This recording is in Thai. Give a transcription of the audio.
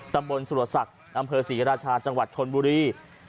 ตำบลสุรศักดิ์อำเภอศรีราชาจังหวัดชนบุรี